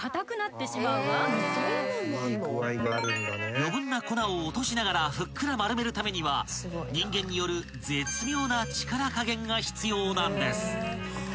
［余分な粉を落としながらふっくら丸めるためには人間による絶妙な力加減が必要なんです］